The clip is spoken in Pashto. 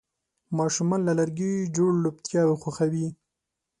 ماشومان له لرګي جوړ لوبتیاوې خوښوي.